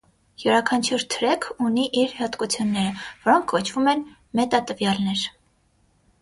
Յուրանքանչյուր թրեք ունի իր հատկությունները, որոնք կոչվում են մետատվյալներ։